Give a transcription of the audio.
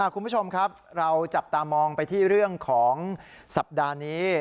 คุณผู้ชมครับเราจับตามองไปที่เรื่องของสัปดาห์นี้